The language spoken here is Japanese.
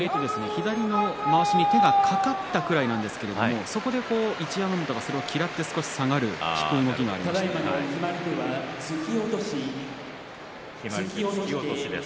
左のまわしに手が掛かったくらいなんですけれどもそこで一山本はそれを嫌って少し下がる決まり手は突き落としです。